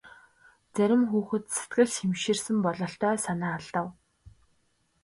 Зарим хүүхэд сэтгэл шимширсэн бололтой санаа алдав.